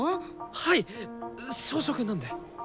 はい小食なんで。